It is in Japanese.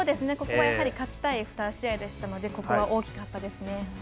ここはやはり勝ちたい２試合でしたのでここは大きかったですね。